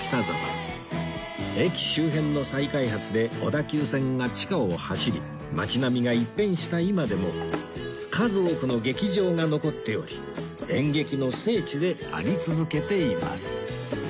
駅周辺の再開発で小田急線が地下を走り街並みが一変した今でも数多くの劇場が残っており演劇の聖地であり続けています